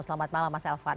selamat malam mas elvan